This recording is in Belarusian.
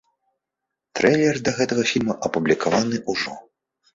Трэйлер да гэтага фільма апублікаваны ўжо.